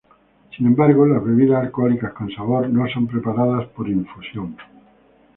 Sin embargo las bebidas alcohólicas con sabor no son preparadas por infusión.